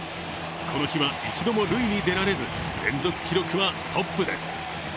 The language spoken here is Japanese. この日は一度も塁に出られず連続記録はストップです。